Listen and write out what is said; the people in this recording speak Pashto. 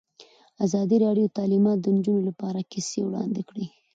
ازادي راډیو د تعلیمات د نجونو لپاره کیسې وړاندې کړي.